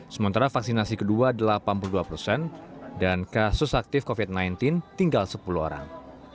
sementara vaksinasi kedua delapan puluh dua persen dan kasus aktif covid sembilan belas tinggal sepuluh orang